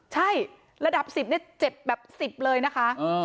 ใช่ระดับ๑๐เนี่ยเจ็บแบบ๑๐เลยนะคะ